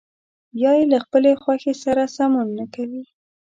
یا يې له خپلې خوښې سره سمون نه کوي.